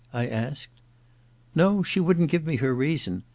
I asked. •No — she wouldn't give me her reason.